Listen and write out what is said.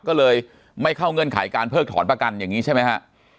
ก็เลยไม่เข้าเงื่อนไขการเพิกถอนประกันอย่างนี้ใช่ไหมฮะ